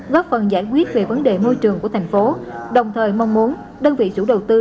góp phần giải quyết về vấn đề môi trường của thành phố đồng thời mong muốn đơn vị chủ đầu tư